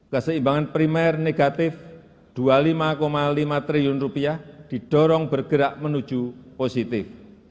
keseimbangan primer negatif rp dua puluh lima lima triliun didorong bergerak menuju positif